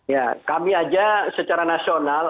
ya kami aja secara nasional